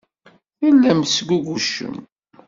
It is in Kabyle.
Tellam tesgugucem.